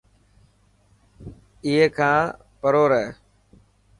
اي کان پرو رهي.